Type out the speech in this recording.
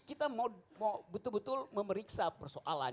kita mau betul betul memeriksa persoalan